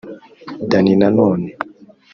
Dany Nanone